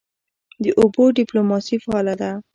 د اوبو ډیپلوماسي فعاله ده؟